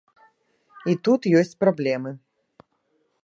І тут ёсць праблемы.